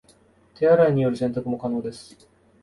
手洗いによる洗濯も可能です